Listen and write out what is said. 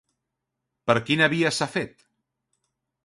Per quina via s'ha fet?